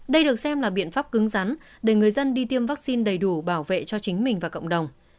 đây được xem là biện pháp cứng rắn để người dân đi tiêm vaccine đầy đủ bảo vệ cho chính mình và cộng đồng